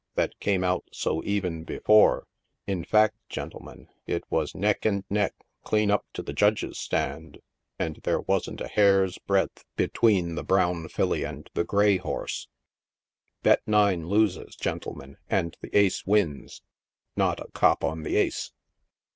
" that came out so even before ; in fact, gentlemen, it was neck and neck clean up to the judge's stand, and there wasn't a hair's breadth be tween the brown filly and the grey horse ; (bet nine loses, gentle men, and the ace wins — not a cop on the ace.)